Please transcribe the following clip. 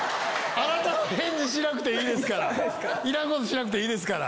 あなたは返事しなくていいいらんことしなくていいですから。